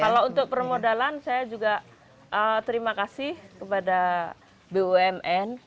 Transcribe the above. kalau untuk permodalan saya juga terima kasih kepada bumn